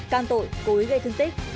càng tội cố ý gây thương tích